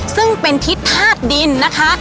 ซึ่งเป็นทิศธาตุดินนะคะ